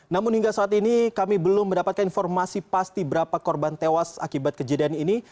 namun hingga saat ini kami belum mendapatkan informasi pasti berapa korban tewas akibat kejadian ini